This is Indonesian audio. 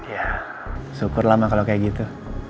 ya super lama kalau kayak gitu